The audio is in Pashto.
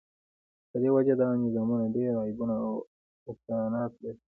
په دی وجه دا نظامونه ډیر عیبونه او نقصانات لری